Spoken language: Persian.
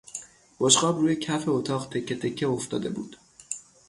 بشقاب روی کف اتاق تکهتکه افتاده بود.